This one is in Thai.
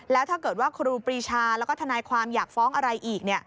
แล้วถ้าเกิดว่าครูปรีชาแล้วก็ทนายความอยากฟ้องอะไรอีก